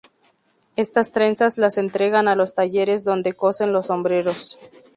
Estas trenzas las entregan a los talleres donde cosen los sombreros.